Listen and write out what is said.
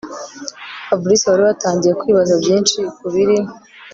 Fabric wari watangiye kwibaza byinshi kubiri